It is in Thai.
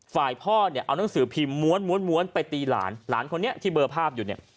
ฝ่ายพ่อเนี่ยเอานังสือพิมพ์ม้วนไปตีหลานหลานคนนี้ที่เบอร์ภาพอยู่เนี่ย